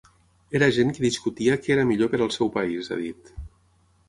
Era gent que discutia què era millor per al seu país, ha dit.